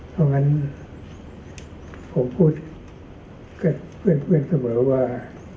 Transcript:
เพราะงั้นผมพูดกับเพื่อนเสมอว่า